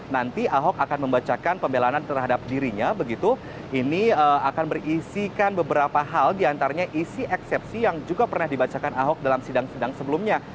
nanti ahok akan membacakan pembelanan terhadap dirinya begitu ini akan berisikan beberapa hal diantaranya isi eksepsi yang juga pernah dibacakan ahok dalam sidang sidang sebelumnya